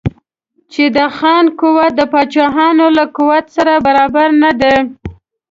چې د خان قوت د پاچاهانو له قوت سره برابر نه دی.